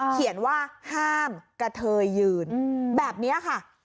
เขียนว่าห้ามกระเทยยืนแบบนี้ค่ะ